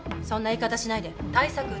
そんな言い方しないで対策